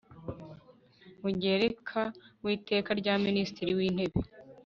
mugereka w Iteka rya Minisitiri w Intebe